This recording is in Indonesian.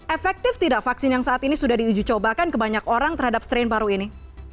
efektif tidak vaksin yang saat ini sudah diucubakan kebanyak orang terhadap strain paru ini